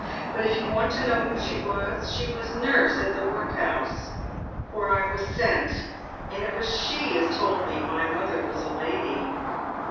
But if you want to know who she was, she was nurse at the workhouse where I was sent, and it was she as told me my mother was a lady."